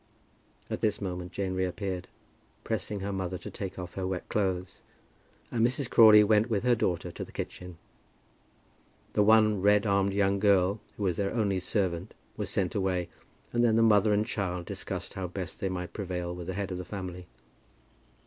At this moment Jane reappeared, pressing her mother to take off her wet clothes, and Mrs. Crawley went with her daughter to the kitchen. The one red armed young girl who was their only servant was sent away, and then the mother and child discussed how best they might prevail with the head of the family.